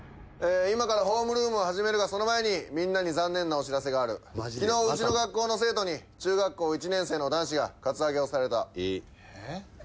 今からホームルームを始めるがその前にみんなに残念なお知らせがある昨日うちの学校の生徒に中学校１年生の男子がカツアゲをされたえっ？